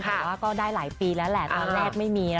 แต่ว่าก็ได้หลายปีแล้วแหละตอนแรกไม่มีนะ